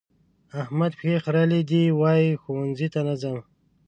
احمد پښې خرلې دي؛ وايي ښوونځي ته نه ځم.